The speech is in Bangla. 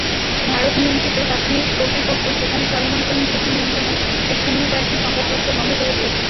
ভারত-নিয়ন্ত্রিত কাশ্মীর কর্তৃপক্ষ সেখানে চলমান সহিংসতা নিয়ন্ত্রণে স্থানীয় কয়েকটি সংবাদপত্র বন্ধ করে দিয়েছে।